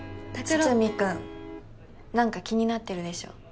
筒見君何か気になってるでしょ？